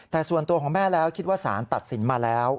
แต่ส่วนตัวของแม่แล้วคิดว่าสารตัดสินมาแล้ว